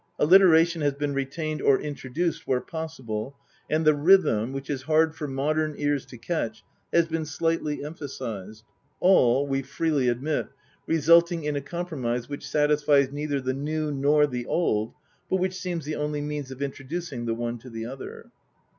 Alliteration has been retained or introduced where possible, and the rhythm, which is hard for modern ears to catch, has been slightly emphasised all, we freely admit, resulting in a compromise which satisfies neither the new nor the old, but which seems the only means of introducing the one to the other.